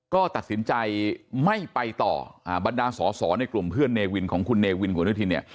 ก็ตัดสินใจไม่ไปต่อบรรดาสอสอในกลุ่มเพื่อนเนวินของคุณเนวินผลุธินเนี่ย